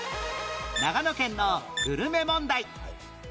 長野県のグルメ問題